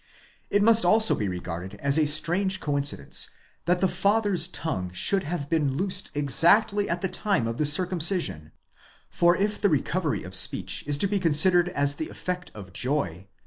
It must also be regarded as a strange coincidence, that the father's tongue should have been loosed exactly at the time of the circumcision ; for if the recovery of speech is to be considered as the effect of joy